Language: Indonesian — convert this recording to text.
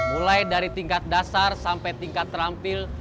mulai dari tingkat dasar sampai tingkat terampil